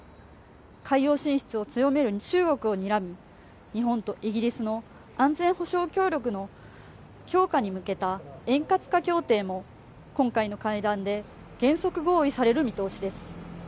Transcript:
海洋進出を強める中国をにらみ日本とイギリスの安全保障協力の強化に向けた円滑化協定も今回の会談で原則合意される見通しです。